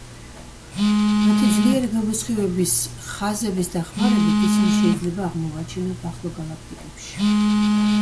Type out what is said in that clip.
მათი ძლიერი გამოსხივების ხაზების დახმარებით, ისინი შეიძლება აღმოვაჩინოთ ახლო გალაქტიკებში.